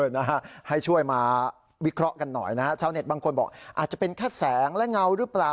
นะฮะให้ช่วยมาวิเคราะห์กันหน่อยนะฮะชาวเน็ตบางคนบอกอาจจะเป็นแค่แสงและเงาหรือเปล่า